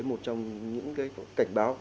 một trong những cái cảnh báo